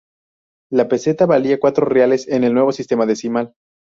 La peseta valía cuatro reales en el nuevo sistema decimal.